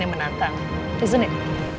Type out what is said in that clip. yang menantang isn't it